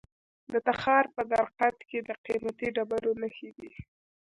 د تخار په درقد کې د قیمتي ډبرو نښې دي.